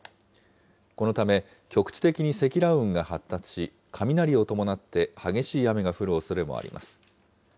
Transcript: このため、局地的に積乱雲が発達し、雷を伴って激しい雨が降るおそれもあります。